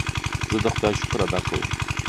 زه د خدای شکر ادا کوم.